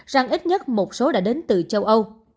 rằng ít nhất một số đã đến từ châu âu